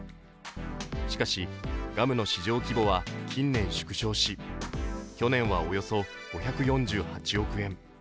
しかし、ガムの市場規模は近年縮小し、去年はおよそ５４８億円。